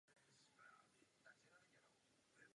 Je zvyklý řešit a zvládat náročné problémy.